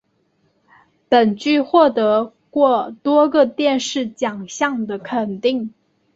本剧获得过多个电视奖项的肯定。